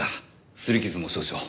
すり傷も少々。